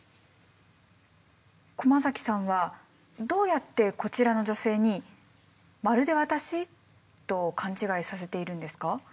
駒崎さんはどうやってこちらの女性に「まるで私？」と勘違いさせているんですか？